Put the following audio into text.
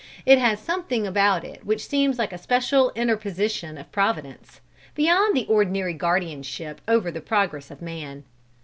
It has something about it which seems like a special interposition of Providence, beyond the ordinary guardianship over the progress of man.